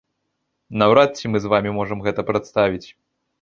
Наўрад ці мы з вамі можам гэта прадставіць.